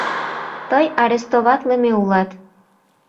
— Тый арестоватлыме улат!